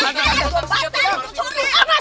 jangan jangan jangan jangan